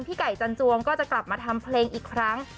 ไก่จันจวงก็จะกลับมาทำเพลงอีกครั้ง